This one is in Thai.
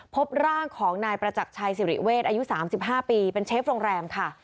พบร่างของนายประจักรชัยสิริเวศอายุ๓๕ปีเป็นเชฟโรงแรมค่ะ